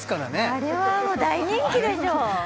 あれは大人気でしょう